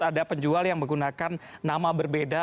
ada penjual yang menggunakan nama berbeda